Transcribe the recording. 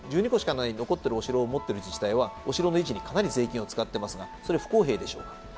１２個しかない残ってるお城を持ってる自治体はお城の維持にかなり税金を使ってますがそれは不公平でしょうか？